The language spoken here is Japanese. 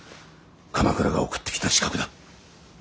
鎌倉が送ってきた刺客だ。